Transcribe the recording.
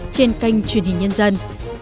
trên kênh truyền hình nhân dân